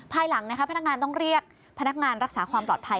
ภายหลังพนักงานต้องเรียกพนักงานรักษาความปลอดภัย